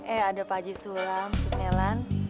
eh ada pak haji sulam cing nelan